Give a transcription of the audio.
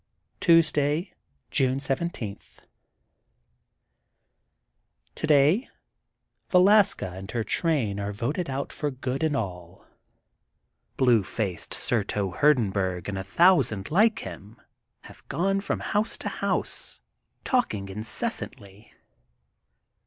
Tuesday, June 17: — Today ^^Velaska'' and her train are voted out for good and all." Blue faced Surto Hurdenburg and a thousand like him have gone from house to house, talk ing incessantly.